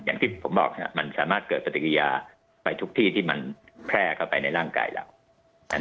อย่างที่ผมบอกมันสามารถเกิดปฏิกิริยาไปทุกที่ที่มันแพร่เข้าไปในร่างกายเรา